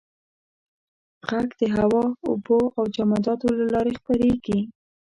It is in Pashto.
• ږغ د هوا، اوبو او جامداتو له لارې خپرېږي.